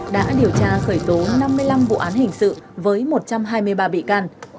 đã điều tra khởi tố năm mươi năm vụ án hình sự với một trăm hai mươi ba bị can